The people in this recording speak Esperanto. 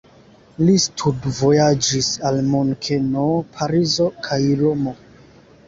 Li studvojaĝis al Munkeno, Parizo kaj Romo.